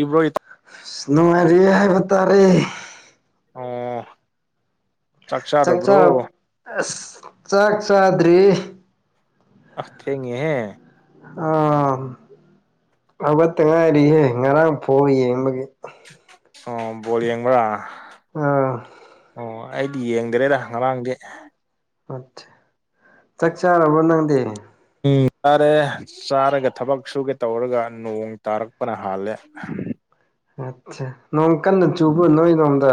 ꯏꯕ꯭ꯔꯣ ꯏ ꯑ ꯅꯨꯡꯉꯥꯏꯔꯤ ꯍꯥꯏꯕ ꯇꯥꯔꯦ ꯑ ꯆꯥꯛ ꯆꯥꯔꯞ ꯑꯁ ꯆꯥꯛ ꯆꯥꯗ꯭ꯔꯤ ꯑꯁ ꯊꯦꯡꯉꯦꯍꯦ ꯑꯥ ꯍꯧꯒꯠꯇ ꯉꯥꯏꯔꯤꯍꯦ ꯉꯔꯥꯡ ꯐꯥꯎ ꯌꯦꯡꯕꯒꯤ ꯑꯣ ꯕꯣꯜ ꯌꯦꯡꯕ꯭ꯔꯥ ꯑ ꯑꯣ ꯑꯩꯗꯤ ꯌꯦꯡꯗꯔꯦꯗ ꯉꯔꯥꯡꯗꯤ ꯑꯁ ꯆꯥꯛ ꯆꯥꯔꯕꯣ ꯅꯪꯗꯤ ꯆꯥꯔꯦ ꯆꯥꯔꯒ ꯊꯕꯛ ꯁꯨꯒꯦ ꯇꯧꯔꯒ ꯅꯣꯡ ꯇꯥꯔꯛꯄꯅ ꯍꯥꯜꯂꯦ ꯑꯠꯆꯥ ꯅꯣꯡ ꯀꯟꯅ ꯆꯨꯕ ꯅꯣꯏ ꯔꯣꯝꯗ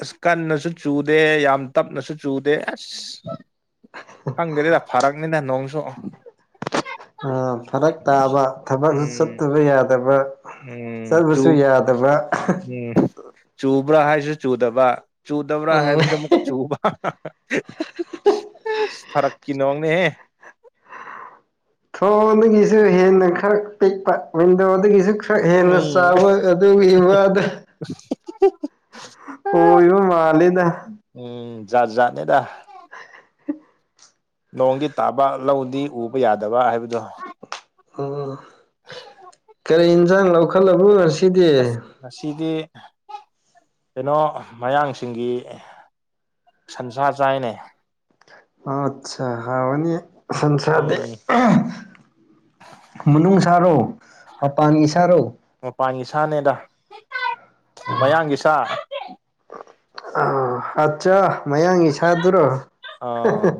ꯑꯁ ꯀꯟꯅꯁꯨ ꯆꯨꯗꯦ ꯌꯥꯝ ꯇꯞꯅꯁꯨ ꯆꯨꯗꯦ ꯑꯁ ꯈꯪꯗꯦꯗ ꯐꯔꯛꯅꯤꯗ ꯅꯣꯡꯁꯨ ꯐꯔꯛ ꯇꯥꯕ ꯊꯕꯛꯁꯨ ꯎꯝ ꯆꯠꯇꯕ ꯌꯥꯗꯕ ꯎꯝ ꯆꯨ ꯆꯠꯕꯁꯨ ꯌꯥꯗꯕ꯭ꯔꯥ ꯎꯝ ꯆꯨꯕ꯭ꯔꯥ ꯍꯥꯏꯕꯁꯨ ꯆꯨꯗꯕ ꯆꯨꯗꯕ꯭ꯔꯥ ꯎꯝ ꯍꯥꯏꯕꯁꯨ ꯑꯃꯨꯛꯀ ꯆꯨꯕ ꯐꯔꯛꯀꯤ ꯅꯣꯅꯦꯍ ꯊꯣꯡꯗꯒꯤꯁꯨ ꯍꯦꯟꯅ ꯈꯔ ꯄꯤꯛꯄ ꯋꯤꯟꯗꯣꯗꯒꯤꯁꯨ ꯈꯔ ꯍꯦꯟꯅ ꯎꯝ ꯆꯥꯎꯥꯕꯣꯏ ꯑꯗꯨꯒꯤ ꯋꯥꯗ [inaudible] ꯄꯕ ꯃꯥꯂꯦꯗ ꯎꯝ ꯥꯖꯥꯅꯦꯦꯗ [unintelligible] ꯅꯣꯡꯗꯤ ꯇꯥꯕ ꯂꯧꯗꯤ ꯎꯕ ꯌꯥꯗꯕ ꯍꯥꯏꯕꯗꯣ ꯑꯣ ꯀꯔꯤ ꯏꯟꯁꯥꯡ ꯂꯧꯈꯠꯂꯕꯣ ꯉꯁꯤꯗꯤ ꯑꯁ ꯉꯁꯤꯗꯤ ꯀꯩꯅꯣ ꯃꯌꯥꯡꯁꯤꯡꯒꯤ ꯁꯟꯁꯥ ꯆꯥꯏꯅꯦ ꯑꯆꯥ ꯍꯥꯎꯕꯅꯤ ꯁꯁꯥꯗꯦ ꯎꯝ ꯃꯅꯨꯡ ꯁꯥꯔꯣ ꯃꯄꯥꯟꯒꯤ ꯁꯥꯔꯣ ꯃꯄꯥꯟꯒꯤ ꯁꯥꯅꯦꯗ ꯃꯌꯥꯡꯒꯤ ꯁꯥ ꯑ ꯑꯠꯆꯥ ꯃꯌꯥꯡꯒꯤ ꯁꯥꯗꯨꯔꯣ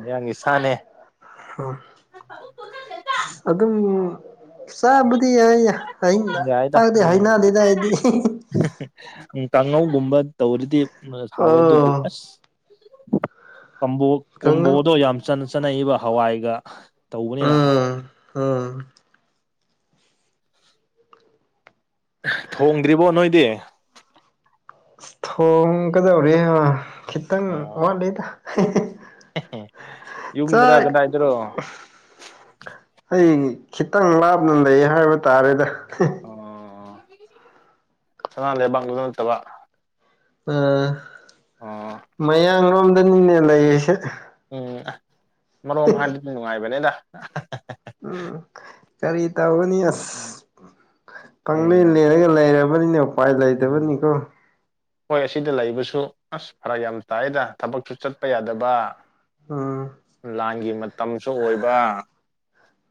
ꯌꯥꯒꯤ ꯁꯅꯦ ꯑ ꯑꯗꯨꯝ ꯆꯥꯕꯗꯤ ꯌꯥꯏ ꯐꯏꯗ ꯌꯥꯏꯗ ꯄꯗꯤ ꯎꯝ ꯍꯩꯅꯗꯦꯗ ꯑꯩꯗꯤ ꯎꯝ ꯀꯥꯡꯍꯧꯒꯨꯝꯕ ꯇꯧꯔꯗꯤ ꯍꯥꯎꯋꯦ ꯑꯗꯨꯕꯨ ꯑꯣ ꯑꯁ ꯀꯝꯕꯣ ꯀꯥꯡꯉꯧ ꯀꯣꯝꯕꯣꯗꯣ ꯌꯥꯝ ꯆꯅ ꯆꯠꯅꯩꯕ ꯍꯋꯥꯏꯒ ꯇꯧꯕꯅꯤꯅ ꯑ ꯊꯣꯡꯗ꯭ꯔꯤꯕꯣ ꯅꯣꯏꯗꯤ ꯊꯣꯡꯒꯗꯧꯔꯦ ꯈꯤꯇꯪ ꯑꯣ ꯋꯥꯠꯂꯤꯗ ꯌꯨꯝꯗꯔ ꯆꯥꯛ ꯀꯗꯥꯏꯗꯔꯣ ꯑꯩ ꯈꯤꯇꯪ ꯂꯥꯞꯅ ꯂꯩ ꯍꯥꯏꯕ ꯇꯥꯔꯦꯗ ꯑꯣ ꯆꯉ ꯂꯩꯕꯥꯛꯗꯨꯗꯅ [unintelligible] ꯑ ꯑꯣ ꯃꯌꯥꯡꯂꯣꯝꯗꯅꯤꯅꯦ ꯂꯩꯔꯤꯁꯦ ꯎꯝ ꯑ ꯃꯔꯣꯝ ꯍꯥꯏꯕꯗꯤ ꯅꯨꯡꯉꯥꯏꯕꯅꯦꯗ ꯎꯝ ꯀꯔꯤ ꯇꯧꯒꯅꯤ ꯑꯁ ꯐꯪꯗꯦꯟ ꯎꯝ ꯂꯦꯂꯒ ꯂꯩꯔꯕ ꯕꯨꯅꯤ ꯄꯥꯏ ꯎꯝ ꯂꯩꯗꯕꯅꯤ ꯀꯣ ꯍꯣꯏ ꯑꯁꯤꯗ ꯂꯩꯕꯁꯨ ꯑꯁ ꯐꯔꯛ ꯌꯥꯝ ꯇꯥꯏꯌꯦꯗ ꯊꯕꯛꯁꯨ ꯆꯠꯄ ꯌꯥꯗꯕ ꯎꯝ ꯂꯥꯟꯒꯤ ꯃꯇꯝꯁꯨ ꯑꯣꯏꯕ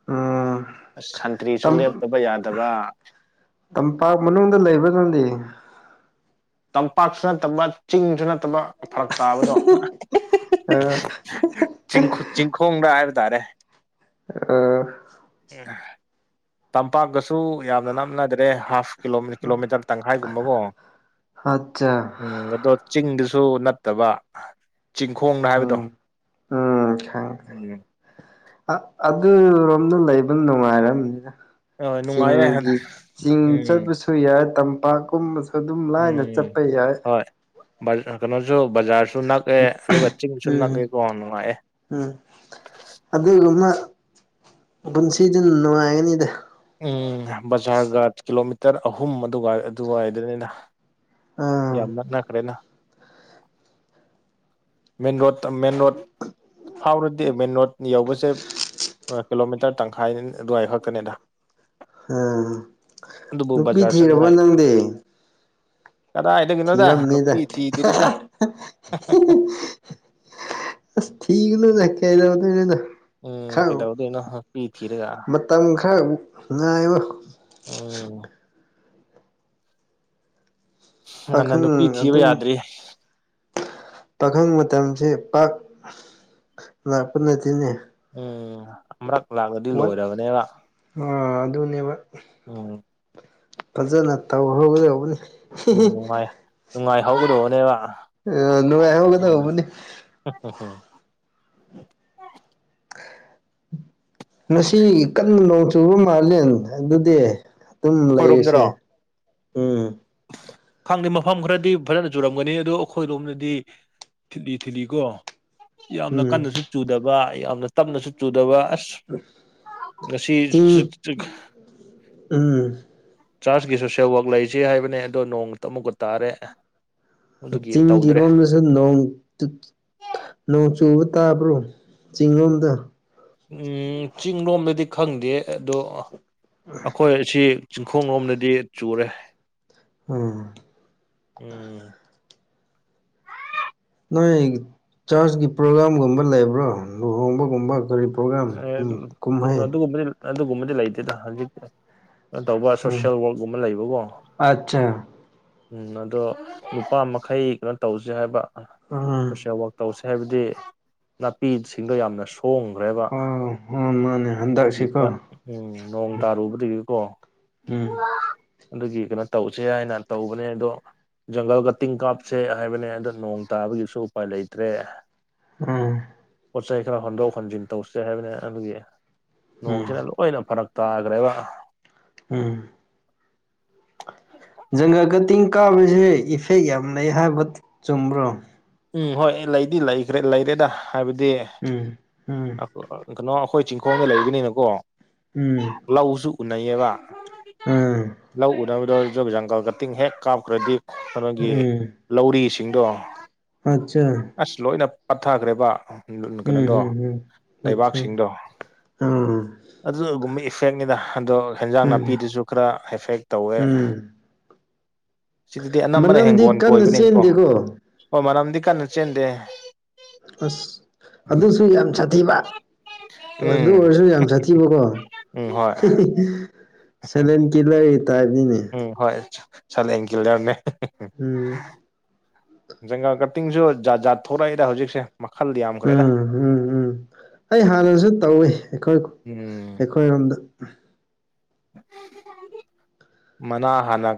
ꯎꯝ ꯑ ꯁꯟꯇ꯭ꯔꯤꯁꯨ ꯇꯝ ꯂꯦꯞꯇꯕ ꯌꯥꯗꯕ ꯇꯝꯄꯥꯛ ꯃꯅꯨꯡꯗ ꯂꯩꯕ ꯅꯪꯗꯤ ꯇꯝꯄꯥꯛꯁꯨ ꯅꯠꯇꯕ ꯆꯤꯡꯁꯨ ꯅꯠꯇꯕ ꯐꯔꯛ ꯇꯥꯕꯗꯣ ꯑꯥ ꯆꯤꯡ ꯆꯤꯡꯈꯣꯡꯗ ꯍꯥꯏꯕ ꯇꯥꯔꯦ ꯑ ꯑ ꯇꯝꯄꯥꯛꯀꯁꯨ ꯌꯥꯝꯅ ꯂꯥꯞꯅꯗ꯭ꯔꯦ ꯍꯥꯐ ꯀꯤꯂꯣ ꯀꯤꯂꯣꯃꯤꯇꯔ ꯇꯪꯈꯥꯏꯒꯨꯝꯕꯀꯣ ꯑꯠꯆꯥ ꯎꯝ ꯑꯗꯣ ꯆꯤꯡꯗꯨꯁꯨ ꯅꯠꯇꯕ ꯆꯤꯡꯈꯣꯡꯅ ꯍꯥꯏꯕꯗꯣ ꯎꯝ ꯎꯝ ꯈꯪ ꯎꯝ ꯑꯗꯨꯔꯣꯝꯗ ꯂꯩꯕ ꯅꯨꯡꯉꯥꯏꯔꯝꯅꯤꯅ ꯍꯣꯏ ꯅꯨꯡꯉꯥꯏꯌꯦ ꯆꯤꯡꯒꯤ ꯆꯤꯡ ꯎꯝ ꯆꯠꯄꯁꯨ ꯁꯨ ꯌꯥꯏ ꯇꯝꯄꯥꯛꯀꯨꯝꯕꯁꯨ ꯑꯗꯨꯝ ꯂꯥꯏꯅ ꯎꯝ ꯆꯠꯄ ꯌꯥꯏ ꯍꯣꯏ ꯀꯩꯅꯣꯁꯨ ꯕꯖꯥꯔꯁꯨ ꯅꯛꯑꯦ ꯑꯗꯨꯒ ꯆꯤꯡꯁꯨ ꯎꯝ ꯅꯛꯑꯦ ꯀꯣ ꯅꯨꯡꯉꯥꯏꯑꯦ ꯎꯝ ꯑꯗꯨꯒꯨꯝꯕ ꯄꯨꯟꯁꯤꯗꯨꯅ ꯅꯨꯡꯉꯥꯏꯒꯅꯤꯗ ꯎꯝ ꯕꯖꯥꯔꯒ ꯀꯤꯂꯣꯃꯤꯇꯔ ꯑꯍꯨꯝ ꯑꯗꯨꯒ ꯑꯗꯨꯏꯗꯅꯤꯅ ꯑꯥ ꯌꯥꯝ ꯅꯛꯅꯈꯔ꯭ꯦꯅ [unintelligible] ꯃꯦꯟ ꯔꯣꯗ ꯃꯦꯟ ꯔꯣꯠ ꯐꯥꯎꯔꯗꯤ ꯃꯦꯟ ꯔꯣꯠ ꯌꯧꯕꯁꯦ ꯀꯤꯂꯣꯃꯤꯇꯔ ꯇꯪꯈꯥꯏꯅꯤ ꯑꯗꯨꯋꯥꯏ ꯈꯛꯇꯅꯤꯗ ꯑ ꯑꯗꯨꯕꯨ ꯅꯨꯄꯤ ꯕꯖꯥꯔ ꯊꯤꯔꯕꯣ ꯅꯪꯗꯤ ꯀꯗꯥꯏꯗꯒꯤ ꯊꯤꯔꯝꯅꯤꯗ ꯑꯁ ꯊꯤꯒꯅꯨꯅ ꯀꯩꯗꯥꯎꯗꯨꯏ ꯅꫭꯗꯥ ꯎꯝ ꯀꯩꯗꯧꯗꯣꯏꯅꯣ ꯅꯨꯄꯤ ꯊꯤꯔꯒ ꯃꯇꯝ ꯈꯔ ꯉꯥꯏꯌꯣ ꯎꯝ ꯉꯟꯅ ꯄꯥꯈꯪ ꯅꯨꯄꯤ ꯊꯤꯕ ꯑꯗꯨꯝ ꯌꯥꯗ꯭ꯔꯤ ꯄꯥꯈꯪ ꯃꯇꯝꯁꯤ ꯄꯥꯛ ꯂꯥꯛꯄ ꯅꯠꯇꯦꯅꯦ ꯎꯝ ꯑꯃꯔꯛ ꯂꯥꯛꯂꯗꯤ ꯂꯣꯏꯔꯕꯅꯦꯕ ꯑ ꯑꯗꯨꯅꯦꯕ ꯎꯝ ꯐꯖꯅ ꯇꯧꯍꯧꯒꯗꯧꯕꯅꯤ ꯎꯝ ꯅꯨꯡꯉꯥꯏ ꯅꯨꯡꯉꯥꯏ ꯍꯧꯒꯗꯧꯅꯦꯕ ꯑ ꯅꯨꯡꯉꯥꯏ ꯍꯧꯒꯗꯧꯕꯅꯤ [unintelligible] ꯉꯁꯤꯒꯤ ꯀꯥꯟꯅ ꯅꯣꯡ ꯆꯨꯕ ꯃꯥꯂꯦꯟ ꯑꯗꯨꯗꯤ ꯑꯗꯨꯝ ꯂꯩꯔꯤꯁꯦ ꯑꯩꯈꯣꯏꯔꯣꯝꯗꯔꯣ ꯎꯝ ꯈꯪꯗꯦ ꯃꯐꯝ ꯈꯔꯗꯤ ꯐꯖꯅ ꯆꯨꯔꯝꯒꯅꯤ ꯑꯗꯣ ꯑꯩꯈꯣꯏ ꯂꯣꯝꯅꯗꯤ ꯊꯤꯠꯂꯤ ꯊꯤꯠꯂꯤꯀꯣ ꯌꯥꯝꯅ ꯎꯝ ꯀꯥꯟꯅꯁꯨ ꯆꯨꯗꯕ ꯌꯥꯝꯅ ꯇꯞꯅꯁꯨ ꯆꯨꯗꯕ ꯉꯁꯤ ꯆꯤꯡ ꯆꯠ ꯆꯠ ꯎꯝ ꯆꯥꯔꯆꯀꯤ ꯁꯣꯁꯦꯜ ꯋꯥꯛ ꯂꯩꯁꯦ ꯍꯥꯏꯕꯅꯦ ꯑꯗꯣ ꯅꯣꯡ ꯑꯃꯨꯛꯀ ꯇꯥꯔꯦ ꯑꯗꯨꯒꯤ ꯇꯧꯗ꯭ꯔꯦ ꯀꯥꯀꯆꯤꯡꯒꯤꯔꯣꯝ [unintelligible] ꯅꯣꯡ ꯆꯨꯠ ꯅꫭꯡ ꯆꯨꯕ ꯇꯥꯕ꯭ꯔꫭ ꯆꯤꯡꯂꯣꯝꯗ ꯎꯝ ꯆꯤꯡ ꯂꯣꯝꯗꯗꯤ ꯈꯪꯗꯦ ꯑꯗꯣ ꯑꯩꯈꯣꯏ ꯑꯁꯤ ꯆꯤꯡꯈꯣꯡ ꯂꯣꯝꯗꯗꯤ ꯆꯨꯔꯦ ꯍꯥ ꯎꯝ ꯅꯣꯏ ꯆꯥꯔꯀꯤ ꯄ꯭ꯔꯣꯒꯥ꯭ꯔꯝꯒꯨꯝꯕ ꯂꯩꯕ꯭ꯔꯣ ꯂꯨꯍꯣꯡꯕꯒꯨꯝꯕ ꯀꯔꯤ ꯄ꯭ꯔꯣꯒ꯭ꯔꯝ ꯀꯨꯝ ꯎꯝ ꯀꯨꯝꯍꯩ ꯑꯗꯨꯒꯨꯝꯕꯗꯤ ꯑꯗꯨꯒꯨꯝꯕꯗꯤ ꯂꯩꯇꯦꯗ ꯍꯧꯖꯤꯛ ꯑꯥ ꯇꯧꯕ ꯎꯝ ꯁꯣꯁꯦꯜ ꯋꯥꯔꯛꯀꯨꯝꯕ ꯂꯩꯕꯀꯣ ꯑꯠꯆꯥ ꯎꯝ ꯑꯗꯣ ꯅꯨꯄꯥ ꯃꯈꯩ ꯀꯩꯅꯣ ꯇꯧꯁꯦ ꯍꯥꯏꯕ ꯎꯝ ꯁꯣꯁꯜ ꯋꯥꯛ ꯇꯧꯁꯦ ꯍꯥꯏꯕꯗꯤ ꯅꯥꯄꯤꯁꯤꯡꯗꯣ ꯌꯥꯝꯅ ꯁꯣꯡꯈ꯭ꯔꯦꯕ ꯍꯥ ꯍꯥ ꯃꯥꯅꯦ ꯑꯗꯨꯒꯤ ꯍꯟꯗꯛꯁꯤꯀꯣ ꯈꯔ ꯎꯝ ꯅꯣꯡ ꯇꯥꯔꯨꯕꯗꯒꯤꯀꯣ ꯎꯝ ꯑꯗꯨꯒꯤ ꯀꯩꯅꯣ ꯇꯧꯁꯦ ꯍꯥꯏꯅ ꯇꯧꯕꯅꯦ ꯑꯗꯣ ꯖꯪꯒꯜꯒ ꯀꯇꯤꯡ ꯀꯥꯞꯁꯦ ꯍꯥꯏꯕꯅꯦ ꯑꯗꯣ ꯅꯣꯡ ꯇꯥꯕꯒꯤꯁꯨ ꯎꯄꯥꯏ ꯂꯩꯇ꯭ꯔꯦ ꯍꯝ ꯄꯣꯠ ꯆꯩ ꯈꯔ ꯍꯟꯗꯣꯛ ꯍꯣꯟꯖꯤꯟ ꯇꯧꯁꯦ ꯍꯥꯏꯕꯅꯤ ꯑꯗꯨꯒꯤ ꯎꯝ ꯅꯣꯡꯁꯤꯅ ꯂꯣꯏꯅ ꯐꯔꯛ ꯇꯥꯈ꯭ꯔꯦꯕ ꯑ ꯎꯝ ꯖꯪꯒꯜ ꯀꯇꯤꯡ ꯀꯥꯞꯕꯁꯦ ꯏꯐꯦꯛ ꯌꯥꯝ ꯂꯩ ꯍꯥꯏꯕ ꯆꯨꯝꯕ꯭ꯔꯣ ꯎꯝ ꯍꯣꯏ ꯂꯩꯗꯤ ꯂꯩꯈ꯭ꯔꯦ ꯂꯩꯔꯦꯗ ꯍꯥꯏꯕꯗꯤ ꯎꯝ ꯎꯝ ꯀꯩꯅꯣ ꯑꯩꯈꯣꯏ ꯆꯤꯡꯈꯣꯡꯗ ꯂꯩꯕꯅꯤꯅꯀꯣ ꯎꯝ ꯂꯧꯁꯨ ꯎꯅꯩꯌꯦꯕ ꯎꯝ ꯂꯧ ꯎꯅꯕꯗ ꯖꯣꯏꯕ ꯖꯪꯒꯥꯜ ꯀꯇꯤꯡ ꯍꯦꯛ ꯀꯥꯞꯈ꯭ꯔꯗꯤ ꯀꯧꯅꫭꯒꯤ ꯎꯝ ꯂꯧꯔꯤꯁꯤꯡꯗꯣ ꯑꯆꯥ ꯑꯁ ꯂꯣꯏꯅ ꯄꯥꯠꯊꯈ꯭ꯔꯦꯕ ꯎꯝ ꯀꯩꯅꯣꯗꯣ ꯎꯝ ꯎꯝ ꯑꯆꯥ ꯂꯩꯕꯥꯛꯁꯤꯡꯗꯣ ꯑꯥ ꯑꯗꯨꯒꯨꯝꯕ ꯏꯐꯦꯛꯅꯤꯗ ꯑꯗꯣ ꯍꯦꯟꯖꯥꯡ ꯎꯝ ꯅꯥꯄꯤꯗꯨꯁꯨ ꯈꯔ ꯏꯐꯦꯛ ꯇꯧꯋꯦ ꯎꯝ ꯁꯤꯗꯗꯤ ꯑꯅꯝꯕꯅ ꯃꯅꯝꯗꯤ ꯍꯤꯡꯒꯣꯜ ꯀꯟꯅ ꯀꯣꯏꯕꯅꯤꯀꯣ ꯆꯦꯟꯗꯦꯀꯣ ꯍꯣꯏ ꯃꯅꯝꯗꯤ ꯀꯟꯅ ꯆꯦꯟꯗꯦ ꯑꯁ ꯑꯗꯨꯁꯨ ꯌꯥꯝ ꯁꯥꯊꯤꯕ ꯑꯗꯨ ꯎꯝ ꯑꯣꯏꯔꯁꯨ ꯌꯥꯝ ꯁꯥꯊꯤꯕꯀꯣ ꯎꯝ ꯍꯣꯏ ꯁꯥꯏꯂꯦꯟ ꯀꯤꯂꯔꯒꯤ ꯇꯥꯏꯞꯅꯤꯅꯦ ꯎꯝ ꯍꯣꯏ ꯁꯥꯏꯂꯦꯟ ꯀꯤꯂꯔꯅꯦ ꯎꯝ ꯖꯪꯒꯥ ꯀꯇꯤꯡꯁꯨ ꯖꯥꯠ ꯖꯥꯠ ꯊꯣꯔꯛꯏꯗ ꯍꯧꯖꯤꯛꯁꯦ ꯃꯈꯜꯗꯤ ꯌꯥꯝ ꯎꯝ ꯎꯝ ꯎꯝ ꯑꯩ ꯍꯥꯟꯅꯖꯨ ꯇꯧꯋꯤ ꯑꯩꯈꯣꯏ ꯑꯩ ꯎꯝ ꯑꯩꯈꯣꯏꯔꯣꯝꯗ ꯃꯅꯥ ꯍꯥꯟꯅ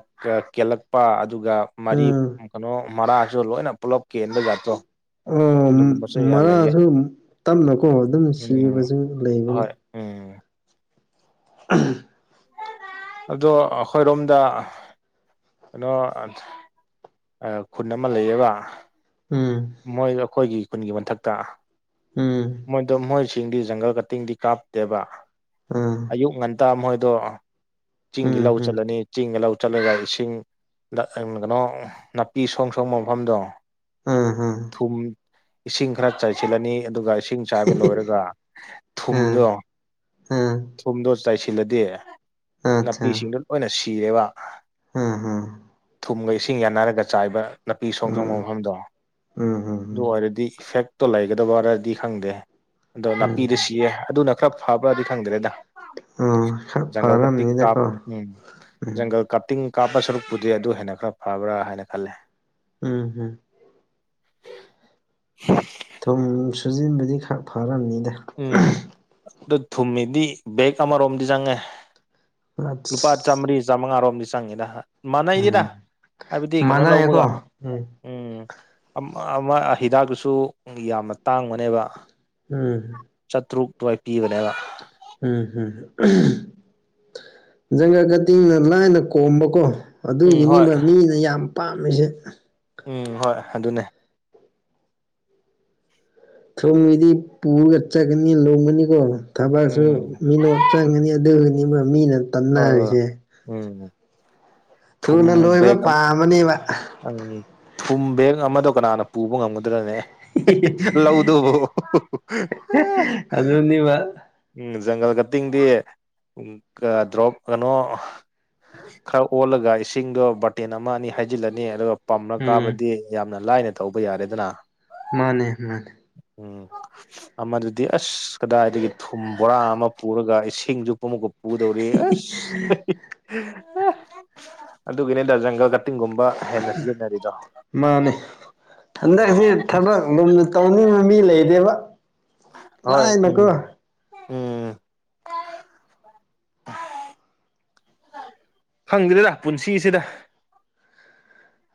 ꯀꯦꯂꯛ ꯂꯨꯄꯥ ꯑꯗꯨꯒ ꯃꯔꯤ ꯎꯝ ꯃꯔꯣꯡ ꯃꯔꯥꯁꯨ ꯂꯣꯏꯅ ꯄꯨꯂꯞ ꯀꯦꯟꯕ ꯖꯥꯠꯇꯣ ꯑꯣ ꯑꯗꯨꯒꯨꯝꯕꯁꯨ ꯌꯥꯝ ꯂꯩꯌꯦ ꯃꯔꯥꯁꯨ ꯇꯞꯅꯀꯣ ꯑꯗꯨꯝ ꯎꯝ ꯁꯤꯕꯁꯨ ꯂꯩꯕꯅꯤ ꯍꯣꯏ ꯎꯝ [unintelligible] ꯑꯗꯣ ꯑꯩꯈꯣꯏꯔꯣꯝꯗ ꯑꯗꯣ ꯑꯥꯠ ꯈꯨꯟ ꯑꯃ ꯂꯩꯌꯦꯕ ꯎꯝ ꯃꯣꯏꯗꯣ ꯑꯩꯈꯣꯏꯒꯤ ꯈꯨꯟꯒꯤ ꯃꯊꯛꯇ ꯎꯝ ꯃꯣꯏꯗꯣ ꯃꯣꯏꯁꯤꯡꯗꯤ ꯖꯪꯒꯜ ꯀꯇꯤꯡꯗꯤ ꯀꯥꯞꯇꯦꯕ ꯑꯥ ꯑꯌꯨꯛ ꯉꯟꯇꯥ ꯃꯣꯏꯗꯣ ꯆꯤꯡꯒꯤ ꯎꯝ ꯂꯧ ꯎꯝ ꯆꯠꯂꯅꯤ ꯆꯤꯡꯒ ꯂꯧ ꯆꯠꯂꯒ ꯏꯁꯤꯡ ꯀꯩꯅꯣꯡ ꯅꯥꯄꯤ ꯁꯣꯡ ꯁꯣꯡꯕ ꯃꯐꯝꯗꯣ ꯑꯥ ꯑꯥ ꯊꯨꯝ ꯏꯁꯤꯡ ꯈꯔ ꯆꯥꯏꯁꯤꯜꯂꯅꯤ ꯑꯗꯨꯒ ꯏꯁꯤꯡ ꯆꯥꯏꯕ ꯂꯣꯏꯔꯒ ꯑꯥ ꯊꯨꯝꯗꯣ ꯑꯥ ꯊꯨꯝꯗꯣ ꯆꯥꯏꯁꯤꯜꯂꯗꯤ ꯑꯠꯆꯥ ꯅꯥꯄꯤꯁꯤꯡꯗꯣ ꯂꯣꯏꯅ ꯁꯤꯔꯦꯕ ꯑꯥ ꯑꯥ ꯊꯨꯝꯒ ꯏꯁꯤꯡ ꯌꯥꯟꯅꯔꯒ ꯆꯥꯏꯕ ꯅꯥꯄꯤ ꯁꯣꯡ ꯁꯣꯡꯕ ꯎꯝ ꯃꯐꯝꯗꯣ ꯎꯝ ꯑꯗꯨ ꯎꯝ ꯑꯣꯏꯔꯗꯤ ꯏꯐꯦꯛꯇꯣ ꯂꯩꯒꯗꯕꯔꯗꯤ ꯈꯪꯗꯦ ꯑꯗꯣ ꯅꯥꯄꯤꯗ ꯎꯝ ꯁꯤꯌꯦ ꯑꯗꯨꯅ ꯈꯔ ꯐꯕ꯭ꯔꯗꯤ ꯈꯪꯗ꯭ꯔꯦꯗ ꯎꯝ ꯈꯔ ꯖꯥꯡꯒꯜ ꯀꯠꯇꯤꯡ ꯀꯥꯞ ꯐꯔꯝꯅꯤꯗꯀꯣ ꯎꯝ ꯎꯝ ꯖꯥꯡꯒꯜ ꯀꯞꯇꯤꯡ ꯀꯥꯞꯄ ꯁꯔꯨꯛꯄꯨꯗꯤ ꯑꯗꯨ ꯍꯦꯟꯅ ꯈꯔ ꯐꯕ꯭ꯔꯥ ꯍꯥꯏꯅ ꯈꯜꯂꯦ ꯎꯝ ꯍꯝ [unintelligible] ꯊꯨꯝ ꯁꯨꯖꯤꯟꯕꯗꯤ ꯈꯔ ꯐꯔꯝꯅꯤꯗ ꯎꯝ ꯑꯗꯨ ꯊꯨꯝꯍꯤꯗꯤ ꯕꯦꯛ ꯑꯃꯔꯣꯝꯗꯤ ꯆꯪꯉꯦ ꯂꯨꯄꯥ ꯑꯁ ꯆꯥꯝꯃꯔꯤ ꯆꯥꯝꯃꯉꯥꯔꯣꯝꯗꯤ ꯆꯪꯉꯤꯗ ꯃꯥꯟꯅꯩꯗ ꯎꯝ ꯍꯥꯏꯕꯗꯤ ꯀꯩꯅꯣ ꯂꯧꯕꯒ ꯎꯝ ꯑꯃ ꯑꯃꯥ ꯍꯤꯗꯥꯛꯇꯨꯁꯨ ꯌꯥꯝꯅ ꯇꯥꯡꯕꯅꯦꯕ ꯎꯝ ꯆꯥꯇ꯭ꯔꯨꯛ ꯑꯗꯨꯋꯥꯏ ꯄꯤꯕꯅꯦꯕ ꯎꯝ ꯍꯝ ꯖꯪꯒꯜ ꯀꯇꯤꯡꯅ ꯂꯥꯏꯅ ꯀꯣꯝꯕꯀꯣ ꯎꯝ ꯍꯣꯏ ꯑꯗꯨꯒꯤꯅꯦꯕ ꯃꯤꯅ ꯌꯥꯝ ꯄꯥꯝꯃꯤꯁꯦ ꯎꯝ ꯍꯣꯏ ꯑꯗꯨꯅꯦ ꯊꯨꯝꯒꯤꯗꯤ ꯄꯨꯔ ꯆꯠꯀꯅꯤ ꯂꯣꯡꯒꯅꯤꯀꯣ ꯊꯕꯛꯁꯨ ꯎꯝ ꯃꯤꯅ ꯆꯪꯒꯅꯤ ꯑꯗꯨꯒꯤꯅꯤꯕ ꯃꯤꯅ ꯍꯣꯏ ꯇꯟꯅꯔꯤꯁꯦ ꯎꯝ ꯊꯨꯝ ꯊꯨꯅ ꯂꯣꯏꯕ ꯕꯦꯒ ꯄꯥꯝꯕꯅꯦꯕ ꯎꯝ ꯊꯨꯝ ꯕꯦꯛ ꯑꯃꯗꯣ ꯀꯅꯥꯅ ꯄꯨꯕ ꯉꯝꯒꯗ꯭ꯔꯅꯦ ꯂꯧꯗꯨꯕꯨ ꯑꯗꯨꯗꯣꯅꯤꯕ ꯎꯝ ꯖꯪꯒꯜ ꯀꯇꯤꯡꯗꯤ ꯗ꯭ꯔꯣꯞ ꯀꯩꯅꯣ ꯈꯔ ꯑꯣꯜꯂꯒ ꯏꯁꯤꯡꯗꯣ ꯕꯥꯇꯤꯟ ꯑꯃ ꯑꯅꯤ ꯍꯩꯖꯤꯜꯂꯅꯤ ꯑꯗꯨꯒ ꯄꯝꯅ ꯎꯝ ꯀꯥꯕꯗꯤ ꯌꯥꯝꯅ ꯂꯥꯏꯅ ꯇꯧꯕ ꯌꯥꯔꯦꯗꯅ ꯃꯥꯟ ꯑꯍꯃꯥꯟ ꯎꯝ ꯑꯃꯗꯨꯗꯤ ꯑꯁ ꯀꯗꯥꯏꯗꯒꯤ ꯊꯨꯝ ꯕꯣꯔꯥ ꯑꯃ ꯄꯨꯔꯒ ꯏꯁꯤꯡꯁꯨ ꯄꯨꯃꯨꯀ ꯄꯨꯗꯧꯔꯤ ꯑꯁ ꯑ ꯑꯗꯨꯒꯤꯅꯦꯗ ꯖ ꯪꯒꯜꯗ ꯇꯤꯡꯒꯨꯝꯕ ꯍꯦꯟꯅ ꯁꯤꯖꯤꯟꯅꯔꯤꯗꯣ ꯃꯥꯅꯦ ꯎ ꯍꯟꯗꯛꯁꯤ ꯊꯕꯛ ꯂꯨꯝꯅ ꯇꯧꯅꯤꯡꯕ ꯃꯤ ꯂꯩꯔꯦꯕ ꯍꯣꯏ ꯎꯝ ꯎꯝ ꯍꯪꯗꯦꯗ ꯄꯨꯟꯁꯤꯁꯤꯗ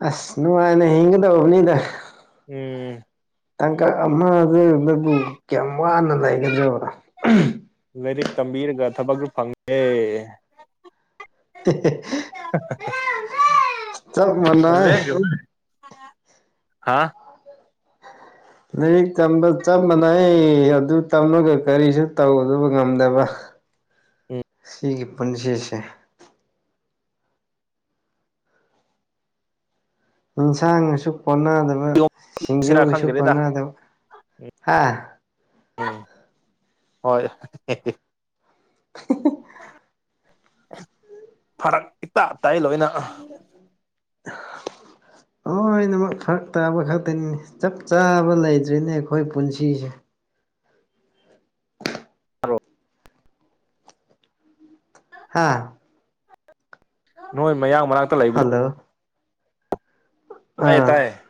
ꯑꯁ ꯅꯨꯡꯉꯥꯏꯅ ꯍꯤꯡꯒꯗꯧꯕꯅꯤꯗ ꯎꯝ ꯇꯥꯡꯀꯛ ꯑꯃꯗ ꯅꯕꯨ ꯀꯌꯥꯝ ꯋꯥꯅ ꯂꯩꯒꯗ꯭ꯔꯕꯅꯣ ꯂꯥꯏꯔꯤꯛ ꯇꯝꯕꯤꯔꯒ ꯊꯕꯛꯁꯨ ꯐꯪꯉꯦ [inaudible] ꯆꯞ ꯃꯥꯟꯅꯩ ꯂꯦꯖꯣ ꯍꯥꯥ ꯂꯥꯏꯔꯤꯛꯝꯕ ꯆꯞ ꯃꯥꯟꯅꯩ ꯑꯗꯨ ꯇꯝꯃꯒ ꯀꯔꯤꯁꯨ ꯇꯧꯗꯕ ꯉꯝꯗꯕ ꯎꯝ ꯁꯤꯒꯤ ꯄꯨꯟꯁꯤꯁꯦ ꯌꯦꯟꯁꯥꯡꯒꯁꯨ ꯀꯣꯟꯅꯗꯕ ꯁꯤꯔꯥ ꯁꯤꯡꯖꯨꯒꯁꯨ ꯈꯪꯗ꯭ꯔꯦꯗ ꯀꯣꯟꯅꯗꯕ ꯍꯥ ꯎꯝ ꯍꯣꯏ [inaudible] ꯐꯔꯛ ꯏꯇꯥ ꯇꯥꯏ ꯂꯣꯏꯅ [unintelligible] ꯂꯣꯏꯅꯃꯛ ꯐꯔꯛ ꯇꯥꯕ ꯈꯛꯇꯅꯤ ꯆꯞ ꯆꯥꯕ ꯂꯩꯇ꯭ꯔꯤꯅꯦ ꯑꯩꯈꯣꯏ ꯄꯨꯟꯁꯤꯁꯦ ꯇꯥꯕꯔꯣ ꯍꯥꯥ ꯅꯣꯏ ꯃꯌꯥꯡ ꯃꯅꯥꯛꯇ ꯂꯩ ꯍꯜꯂꯣ ꯑꯥ ꯇꯥꯏꯌꯦ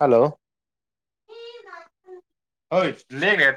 ꯍꯜꯂꯣ ꯍꯣꯏ ꯂꯦꯒꯦ